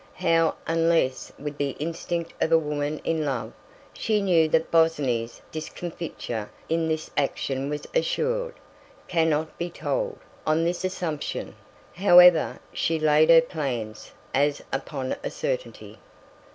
How, unless with the instinct of a woman in love, she knew that Bosinney's discomfiture in this action was assured, cannot be told—on this assumption, however, she laid her plans, as upon a certainty.